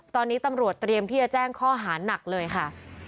ตอนนี้ตำรวจเตรียมที่จะแจ้งข้อหานักเลยค่ะ